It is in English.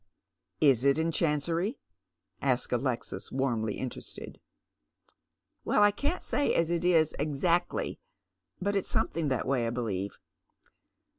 " Is it in Chancery ?" asks Alexis, warmly interested. " Well, I can't say as it is azackley, but it's something tliat way, I believe.